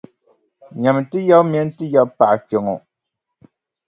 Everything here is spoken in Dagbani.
Nyami ti yaba mini ti yabipaɣa kpe ŋɔ.